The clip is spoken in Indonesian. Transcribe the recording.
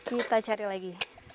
kita cari lagi